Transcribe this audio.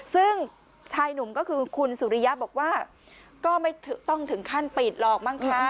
ซึ่งชายหนุ่มก็คือคุณสุริยะบอกว่าก็ไม่ต้องถึงขั้นปิดหรอกมั้งคะ